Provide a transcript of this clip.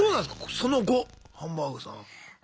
その後ハンバーグさん。